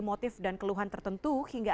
motif dan keluhan tertentu hingga